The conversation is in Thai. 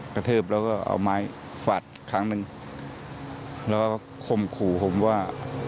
กระทืบแล้วก็เอาไม้ฟาดครั้งหนึ่งแล้วก็คมขู่ผมว่า